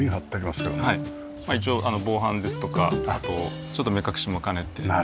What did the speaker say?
一応あの防犯ですとかあとちょっと目隠しも兼ねて。